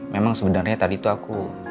memang sebenarnya tadi tuh aku